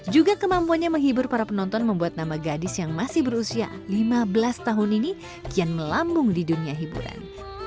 juga kemampuannya menghibur para penonton membuat nama gadis yang masih berusia lima belas tahun ini kian melambung di dunia hiburan